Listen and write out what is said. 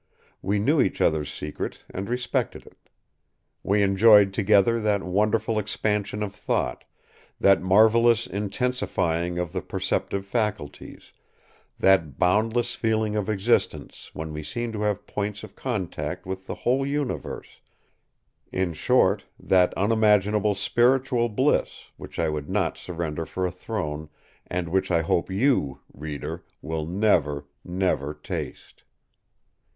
We knew each other’s secret and respected it. We enjoyed together that wonderful expansion of thought, that marvellous intensifying of the perceptive faculties, that boundless feeling of existence when we seem to have points of contact with the whole universe—in short, that unimaginable spiritual bliss, which I would not surrender for a throne, and which I hope you, reader, will never—never taste.